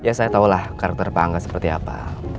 tapi saya tahulah karakter pak angga seperti apa